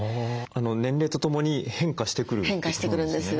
年齢とともに変化してくるってことなんですね。